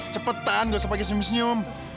cepetan gak usah pakai senyum senyum